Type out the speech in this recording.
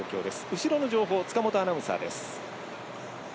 後ろの情報塚本アナウンサーです。